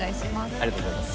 ありがとうございます。